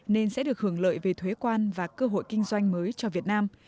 nên sẽ được hưởng lợi về thuế quan và cơ hội kinh doanh mới cho việt nam